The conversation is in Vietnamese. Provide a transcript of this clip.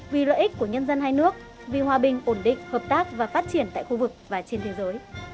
vì lợi ích của nhân dân hai nước vì hòa bình ổn định hợp tác và phát triển tại khu vực và trên thế giới